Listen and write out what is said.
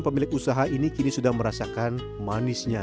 pemilik usaha ini kini sudah merasakan manisnya